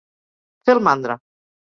Fer el mandra.